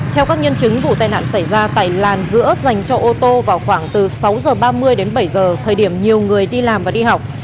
theo các nhân chứng vụ tai nạn xảy ra tại làn giữa dành cho ô tô vào khoảng từ sáu h ba mươi đến bảy giờ thời điểm nhiều người đi làm và đi học